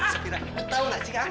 setirah tau gak sih ha